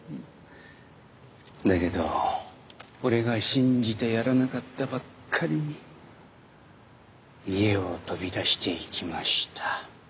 だけど俺が信じてやらなかったばっかりに家を飛び出していきました。